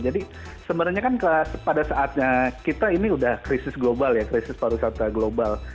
jadi sebenarnya kan pada saatnya kita ini udah krisis global ya krisis pariwisata global